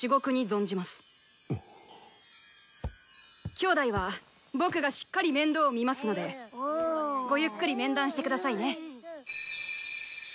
きょうだいは僕がしっかり面倒見ますのでごゆっくり面談して下さいね。